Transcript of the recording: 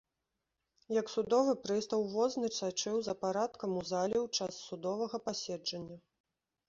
Як судовы прыстаў возны сачыў за парадкам у зале ў час судовага паседжання.